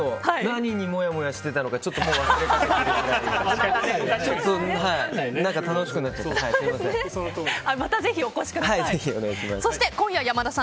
何にもやもやしてたのかちょっともう忘れちゃいました。